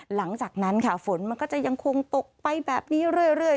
หลังจากนั้นค่ะฝนมันก็จะยังคงตกไปแบบนี้เรื่อย